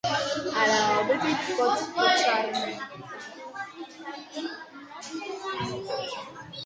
Al lavabo petit pots punxar-me jazz?